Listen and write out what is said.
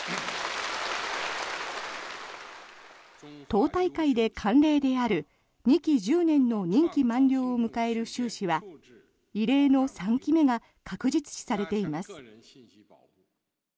党大会で慣例である２期１０年の任期満了を迎える習氏は異例の３期目が確実視されています。